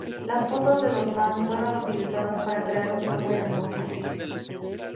Las fotos de los fans fueron utilizadas para crear un póster en mosaico.